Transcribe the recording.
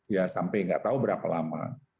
ya sampai nggak tahu berapa lama